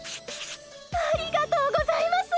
ありがとうございます！